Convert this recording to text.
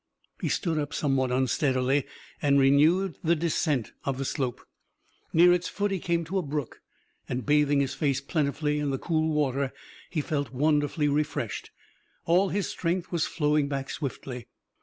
He stood up somewhat unsteadily, and renewed the descent of the slope. Near its foot he came to a brook and bathing his face plentifully in the cool water he felt wonderfully refreshed. All his strength was flowing back swiftly.